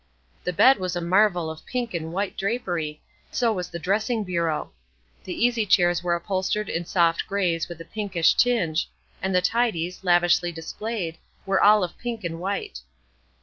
The bed was a marvel of pink and white drapery; so was the dressing bureau. The easy chairs were upholstered in soft grays with a pinkish tinge; and the tidies, lavishly displayed, were all of pink and white.